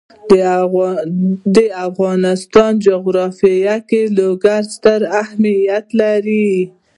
د افغانستان جغرافیه کې لوگر ستر اهمیت لري.